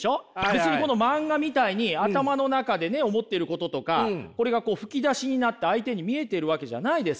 別にこの漫画みたいに頭の中でね思ってることとかこれが吹き出しになって相手に見えてるわけじゃないですから。